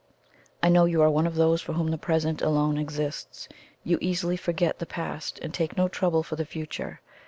I know you are one of those for whom the present alone exists you easily forget the past, and take no trouble for the future.